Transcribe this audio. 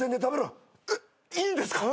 えっいいんですか？